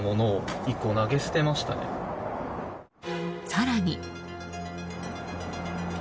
更に。